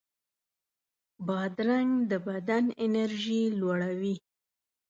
بادرنګ د بدن انرژي لوړوي.